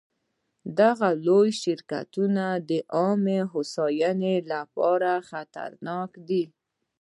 دغه لوی شرکتونه عامه هوساینې لپاره خطرناک دي.